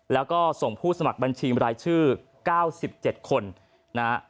แล้วก็ส่งผู้สมัครบัญชีบรายชื่อ๙๗คนนะฮะ